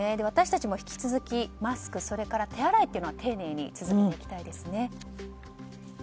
私たちも引き続き、マスクそれから手洗いというのは丁寧に続けていきたいですね。